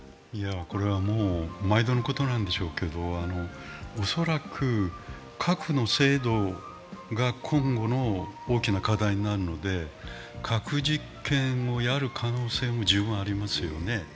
これは毎度のことなんでしょうけど、恐らく核の精度が今後の大きな課題になるので、核実験をやる可能性も十分ありますよね。